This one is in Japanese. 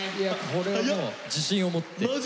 これはもう自信を持って。